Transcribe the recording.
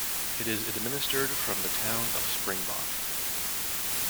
It is administered from the town of Springbok.